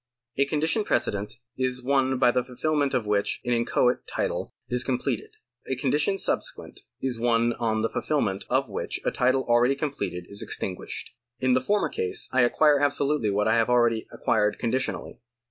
A condition precedent is one by the fulfilment of which an inchoate title is com pleted ; a condition subsequent is one on the fulfilment of which a title already completed is extinguished. In the former case I acquire absolutely what I have akeady ac quired conditionally.